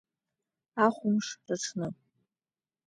Ахәымш рҽны.